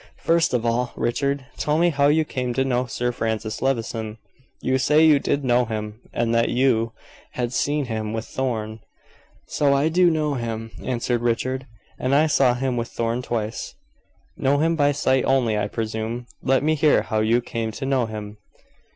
First of all, Richard, tell me how you came to know Sir Francis Levison. You say you did know him, and that you had seen him with Thorn." "So I do know him," answered Richard. "And I saw him with Thorn twice." "Know him by sight only, I presume. Let me hear how you came to know him."